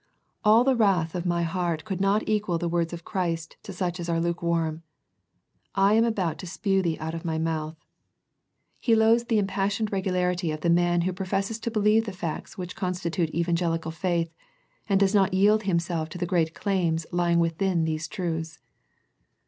All the wrath of my heart could not equal the words of Christ to such as are lukewarm, " I am about to spew thee out of My mouth." He loathes the unimpassioned regularity of the man who professes to believe the facts which constitute evangelical faith, and does not yield himself to the great claims lying within these truths.